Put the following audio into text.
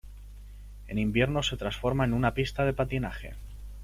En invierno se transforma en una pista de patinaje.